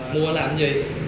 mua làm gì